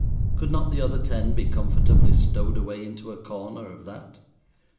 Could not the other ten be comfortably stowed away into a corner of that!